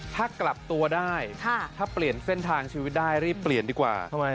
ถ้ากลับตัวได้ถ้าเปลี่ยนเส้นทางชีวิตได้รีบเปลี่ยนดีกว่า